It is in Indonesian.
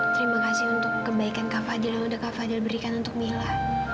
terima kasih untuk kebaikan kak fadil yang sudah kak fadil berikan untuk mila